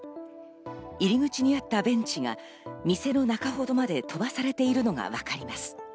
入り口にあったベンチが店の中ほどまで飛ばされているのがわかります。